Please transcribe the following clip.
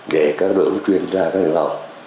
để các đội ngũ chuyên gia các nhà khoa học